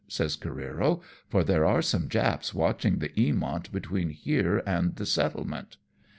" says Careero, " for there are some Japs watching the Eamont between here and the settlement."